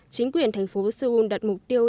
chính quyền thành phố seoul đặt mục tiêu